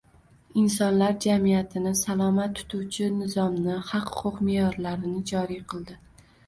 insonlar jamiyatini salomat tutuvchi nizomni – haq-huquq me’yorlarini joriy qildi.